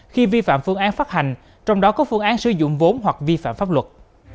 khi vi phạm phương án phát hành trong đó có phương án sử dụng vốn hoặc vi phạm pháp luật